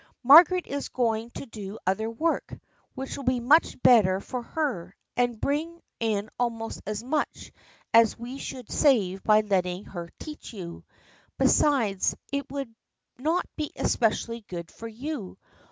Margaret is going to do other work, which will be much better for her, and bring in almost as much as we should save by letting her teach you. Besides, it would not be especially good for you.